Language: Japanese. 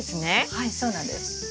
はいそうなんです。